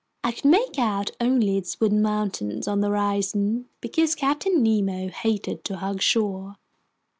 I could make out only its wooded mountains on the horizon, because Captain Nemo hated to hug shore.